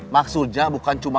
maksudnya bukan cuma